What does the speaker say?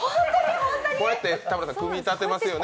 こうやって田村さん、組み立てますよね。